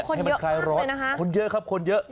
คนเยอะมากคนเยอะครับ